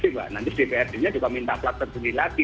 mbak nanti dprd nya juga minta plat tersebut lagi